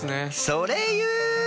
それ言う！？